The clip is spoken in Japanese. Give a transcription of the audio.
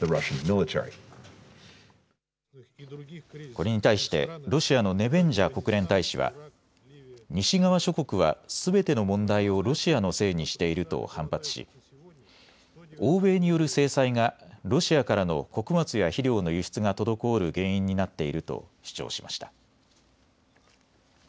これに対してロシアのネベンジャ国連大使は西側諸国はすべての問題をロシアのせいにしていると反発し欧米による制裁がロシアからの穀物や肥料の輸出が滞る原因になっていると主張しました。